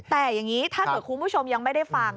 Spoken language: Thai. แต่อย่างนี้ถ้าเกิดคุณผู้ชมยังไม่ได้ฟัง